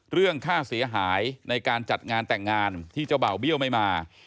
เรื่องค่าเสียหายในการจัดงานแต่งงานที่เจ้าบ่าวเบี้ยวไม่มา